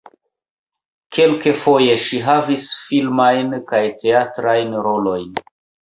Kelkfoje ŝi havis filmajn kaj teatrajn rolojn.